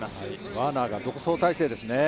ワーナーが独走態勢ですね。